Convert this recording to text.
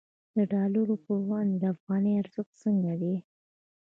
د ډالر پر وړاندې د افغانۍ ارزښت څنګه دی؟